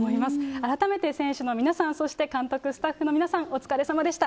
改めて選手の皆さん、そして監督、スタッフの皆さん、お疲れさまでした。